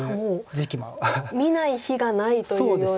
見ない日がないというような。